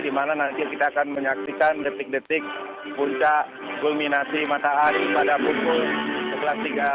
di mana nanti kita akan menyaksikan detik detik puncak kulminasi matahari pada pukul sebelas tiga puluh